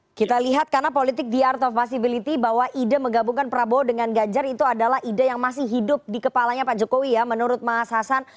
oke kita lihat karena politik the art of possibility bahwa ide menggabungkan prabowo dengan ganjar itu adalah ide yang masih hidup di kepalanya pak jokowi ya menurut mas hasan